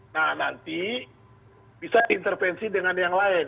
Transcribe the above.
nah nanti bisa diintervensi dengan yang lain